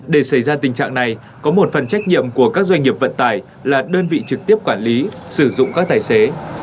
để xảy ra tình trạng này có một phần trách nhiệm của các doanh nghiệp vận tải là đơn vị trực tiếp quản lý sử dụng các tài xế